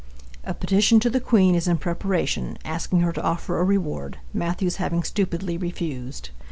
A petition to the Queen is in preparation, asking her to offer a reward, Mathews having stupidly refused.